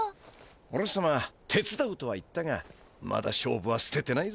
おれさま手つだうとは言ったがまだ勝負はすててないぜ。